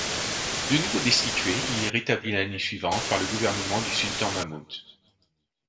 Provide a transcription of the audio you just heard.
De nouveau destitué, il est rétabli l’année suivante par le gouvernement du sultan Mahmoud.